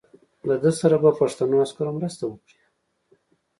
له ده سره به پښتنو عسکرو مرسته وکړي.